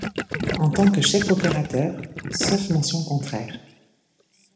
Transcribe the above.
En tant que chef-opérateur, sauf mention contraire.